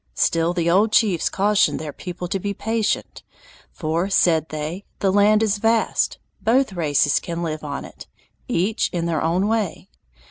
Still the old chiefs cautioned their people to be patient, for, said they, the land is vast, both races can live on it, each in their own way.